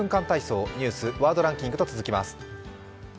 体操」、ニュース、ワードランキングと続きます。